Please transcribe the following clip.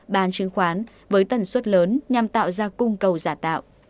bán chứng khoán với tần suất lớn nhằm tạo ra cung cầu giả tạo